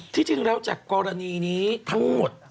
จริงแล้วจากกรณีนี้ทั้งหมด